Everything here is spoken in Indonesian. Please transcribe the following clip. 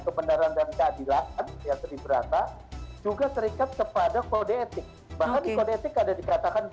kebenaran dan keadilan yang terlibat juga terikat kepada kode etik bahkan di kode etik ada dikatakan